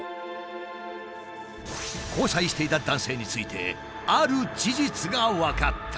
交際していた男性についてある事実が分かった。